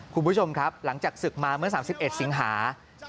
คุณผู้ชมครับหลังจากศึกมาเมื่อ๓๑สิงหา